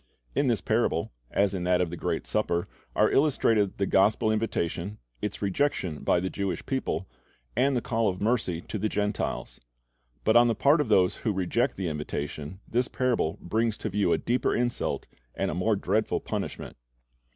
In this parable, as in that of the great supper, are illustrated the gospel inv'itation, its rejection by the Jewish people, and the call of mercy to the Gentiles. But on the part of those who reject the invitation, this parable brings to view a deeper insult and a more dreadful punishment.